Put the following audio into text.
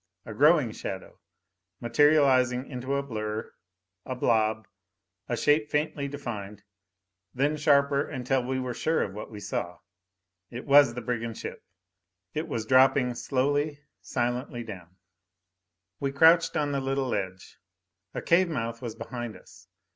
A growing shadow, materializing into a blur a blob, a shape faintly defined. Then sharper until we were sure of what we saw. It was the brigand ship. It was dropping slowly, silently down. We crouched on the little ledge. A cave mouth was behind us.